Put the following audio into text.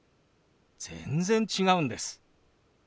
全然違うんです。